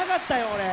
俺。